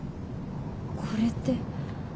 これって。